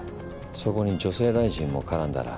そこに女性大臣も絡んだら？